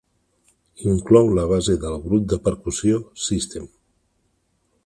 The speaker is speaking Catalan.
Inclou la base del grup de percussió Sistem.